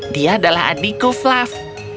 dia adalah adikku flav